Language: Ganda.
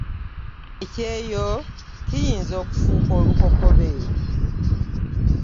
Ekyeyo kiyinza okufuuka olukokobe.